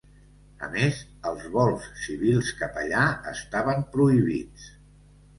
A més, els vols civils cap allà estaven prohibits.